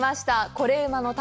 「コレうまの旅」。